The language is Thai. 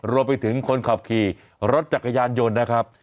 คนขับขี่รถจักรยานยนต์นะครับ